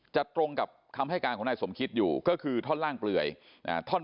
ตรงกับคำให้การของนายสมคิดอยู่ก็คือท่อนล่างเปลือย